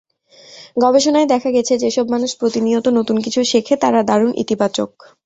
গবেষণায় দেখা গেছে, যেসব মানুষ প্রতিনিয়ত নতুন কিছু শেখে, তারা দারুণ ইতিবাচক।